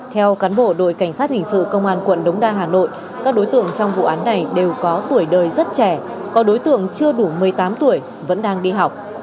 theo cán bộ đội cảnh sát hình sự công an quận đống đa hà nội các đối tượng trong vụ án này đều có tuổi đời rất trẻ có đối tượng chưa đủ một mươi tám tuổi vẫn đang đi học